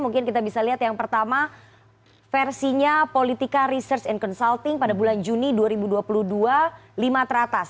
mungkin kita bisa lihat yang pertama versinya politika research and consulting pada bulan juni dua ribu dua puluh dua lima teratas